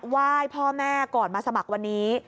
ไหว้พ่อแม่ก่อนมาสมัครวันนี้